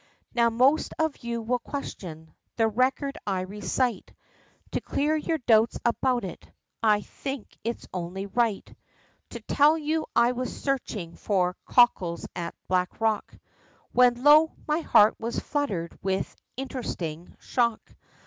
Now most of you will question, the record I recite, To clear your doubts upon it, I think it's only right, To tell you, I was searching for cockles at Blackrock, When lo! my heart was fluttered with interesting shock!